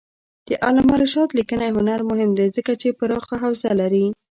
د علامه رشاد لیکنی هنر مهم دی ځکه چې پراخه حوزه لري.